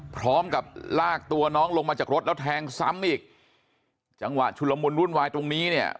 พร้อมกับลากตัวน้องลงมาจากรถแล้วแทงซ้ำอีกจังหวะชุลมุนวุ่นวายตรงนี้เนี่ย